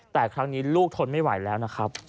แต่ครั้งนี้ลูกทนไม่ไหวแล้วนะครับ